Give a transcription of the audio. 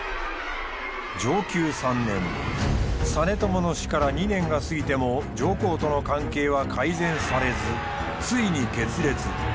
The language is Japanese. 実朝の死から２年が過ぎても上皇との関係は改善されずついに決裂。